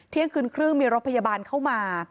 เที่ยงคืนครึ่งมีรถพยาบาลเข้ามา